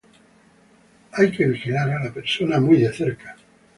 Hay que vigilar a la persona muy de cerca.